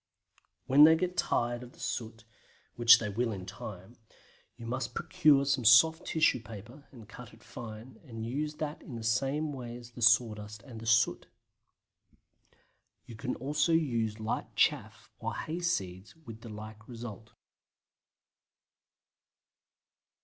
When they get tired of soot (which they will in time) you must procure some soft tissue paper and cut it fine, and use that in the same way as the sawdust and the soot. You can also use light chaff or hay seeds with the like result.